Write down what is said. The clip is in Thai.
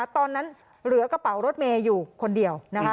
ตอนนั้นเหลือกระเป๋ารถเมย์อยู่คนเดียว